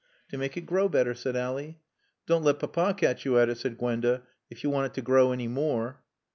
"To make it grow better," said Ally. "Don't let Papa catch you at it," said Gwenda, "if you want it to grow any more."